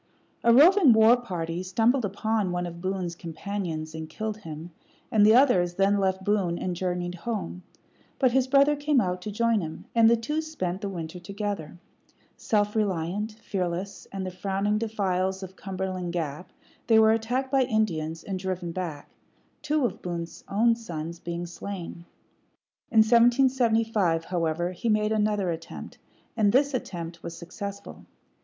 A roving war party stumbled upon one of Boone's companions and killed him, and the others then left Boone and journeyed home; but his brother came out to join him, and the two spent the winter together. Self reliant, fearless, and the frowning defiles of Cumberland Gap, they were attacked by Indians, and driven back two of Boone's own sons being slain. In 1775, however, he made another attempt; and this attempt was successful.